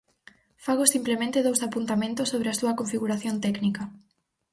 Fago simplemente dous apuntamentos sobre a súa configuración técnica.